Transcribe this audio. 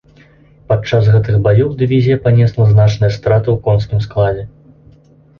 Пад час гэтых баёў дывізія панесла значныя страты ў конскім складзе.